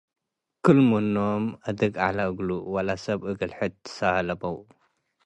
ወክል-ምኖ'ም አድግ ዐለ እሉ፡ ወለሰብ እግል ሕድ ትሳለመው።